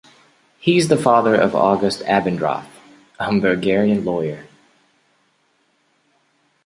He is the father of August Abendroth, a Hamburgian lawyer.